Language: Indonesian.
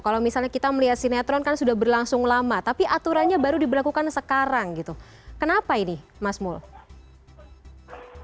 kalau misalnya kita melihat sinetron kan sudah berlangsung lama tapi aturannya baru diberlakukan sekarang gitu kenapa ini mas mul